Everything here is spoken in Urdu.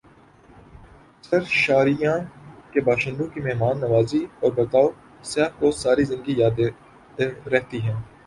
سرشاریہاں کے باشندوں کی مہمان نوازی اور برتائو سیاح کو ساری زندگی یاد رہتی ہیں ۔